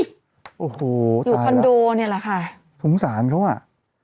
โอ้โหอยู่คอนโดเนี่ยแหละค่ะสงสารเขาอ่ะ